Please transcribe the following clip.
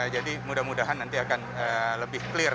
jadi mudah mudahan nanti akan lebih clear